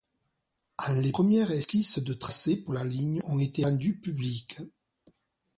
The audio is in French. En les premières esquisses de tracé pour la ligne ont été rendues publiques.